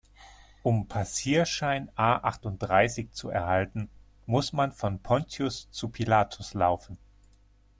Um Passierschein A-achtunddreißig zu erhalten, muss man von Pontius zu Pilatus laufen.